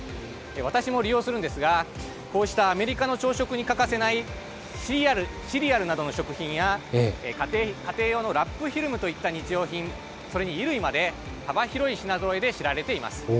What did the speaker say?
私も利用するんですがこうしたアメリカの朝食に欠かせないシリアルなどの食品や家庭用のラップフィルムといった日用品それに衣類まで幅広い品ぞろえで知られています。